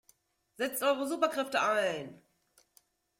Setzt eure Superkräfte ein!